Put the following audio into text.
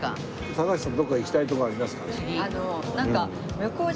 高橋さんどこか行きたい所ありますか？